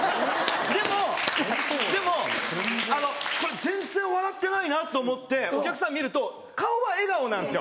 でもでもこれ全然笑ってないなと思ってお客さん見ると顔は笑顔なんですよ